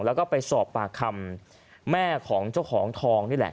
แล้วก็ไปสอบปากคำแม่ของเจ้าของทองนี่แหละ